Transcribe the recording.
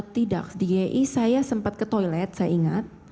tidak di y saya sempat ke toilet saya ingat